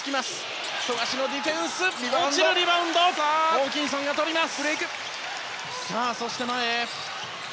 ホーキンソンがとります。